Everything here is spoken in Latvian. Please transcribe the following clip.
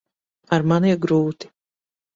Ar mani ir grūti.